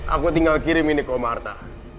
aku tinggal kirim ini ke om arta